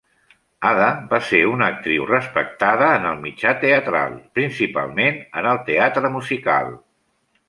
Ada va ser una actriu respectada en el mitjà teatral, principalment en el teatre musical.